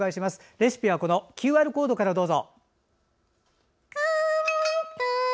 レシピはＱＲコードからどうぞ。